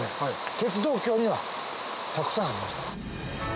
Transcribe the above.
鉄道橋にはたくさんありました。